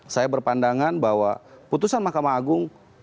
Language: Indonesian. saya berpandangan bahwa putusan mahkamah agung